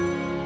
gak asik juga